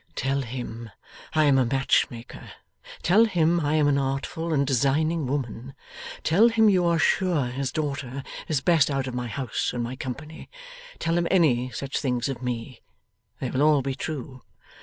'Tell him I am a match maker; tell him I am an artful and designing woman; tell him you are sure his daughter is best out of my house and my company. Tell him any such things of me; they will all be true.